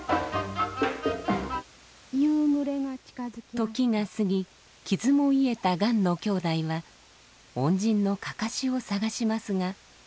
時が過ぎ傷も癒えた雁のきょうだいは恩人のかかしを捜しますが。